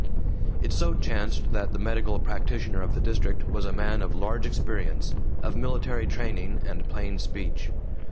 It so chanced that the medical practitioner of the district was a man of large experience, of military training, and plain speech.